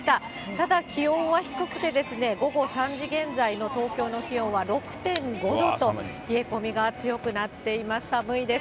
ただ気温は低くてですね、午後３時現在の東京の気温は６．５度と、冷え込みが強くなっています、寒いです。